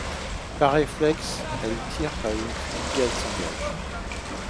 Par réflexe elle tire et une fusillade s'engage.